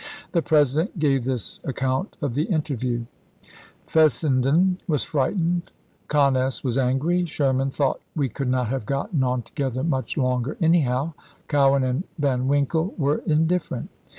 The President gave this account of the interview: "Fessenden was frightened, Conness was angry, Sherman thought we could not have gotten on together much longer anyhow, Cowan and Van Winkle were indifferent."